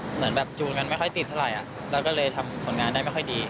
เหมือนแบบจูนกันไม่ค่อยติดเท่าไหร่เราก็เลยทำผลงานได้ไม่ค่อยดี